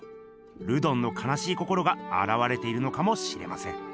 ルドンのかなしい心があらわれているのかもしれません。